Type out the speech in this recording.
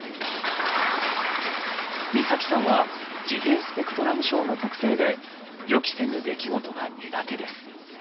光沙季さんは自閉スペクトラム症の特性で予期せぬ出来事が苦手です。